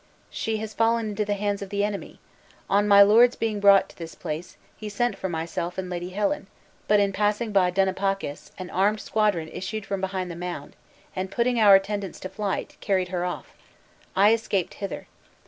"She has fallen into the hands of the enemy. On my lord's being brought to this place, he sent for myself and Lady Helen; but in passing by Dunipacis, an armed squadron issued from behind the mound, and putting our attendants to flight, carried her off. I escaped hither.